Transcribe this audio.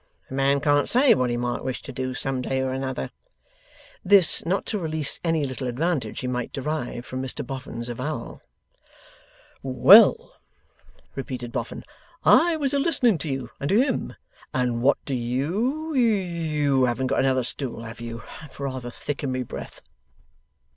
A man can't say what he might wish to do some day or another.' (This, not to release any little advantage he might derive from Mr Boffin's avowal.) 'Well,' repeated Boffin, 'I was a listening to you and to him. And what do you you haven't got another stool, have you? I'm rather thick in my breath.